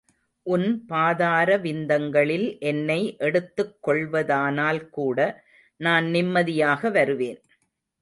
உன் பாதார விந்தங்களில் என்னை எடுத்துக் கொள்வதானால் கூட, நான் நிம்மதியாக வருவேன்.